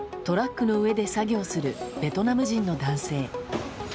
トラックの上で作業するベトナム人の男性。